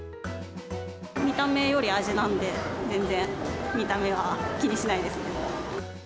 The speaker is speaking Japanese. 見た目より味なんで、全然、見た目は気にしないですね。